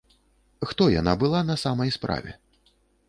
Хто яна была на самай справе?